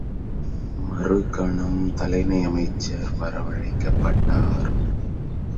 மறுகணம், தலைமை அமைச்சர் வரவழைக்கப்பட்டார்.